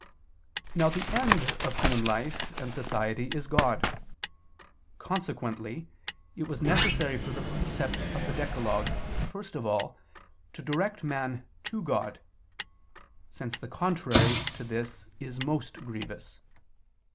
Now the end of human life and society is God. Consequently it was necessary for the precepts of the decalogue, first of all, to direct man to God; since the contrary to this is most grievous.